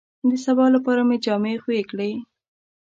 د سبا لپاره مې جامې خوې کړې.